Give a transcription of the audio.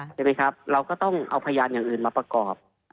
ใช่ไหมครับเราก็ต้องเอาพยานอย่างอื่นมาประกอบ